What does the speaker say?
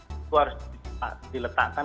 itu harus diletakkan